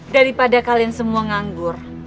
daripada kalian semua nganggur